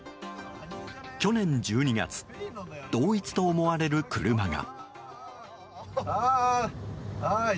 去年１２月同一と思われる車が。